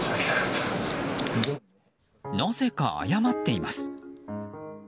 なぜか謝っています。